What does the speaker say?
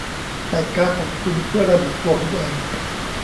ใส่การ์ดของคุณเพื่อระบุตัวคุณเอง